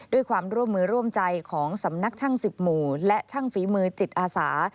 ด้วยความร่วมมือร่วมใจของสำนักช่าง๑๐หมู่และช่างฝีมือจิตอาสา